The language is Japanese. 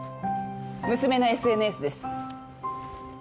娘のＳＮＳです。